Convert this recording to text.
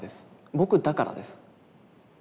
僕だからです。